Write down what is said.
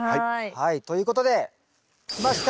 はいということできました！